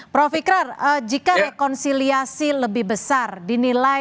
prof ikrar jika rekonsiliasi lebih besar dinilai